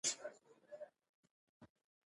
د ورون هډوکی د بدن تر ټولو لوی او کلک هډوکی دی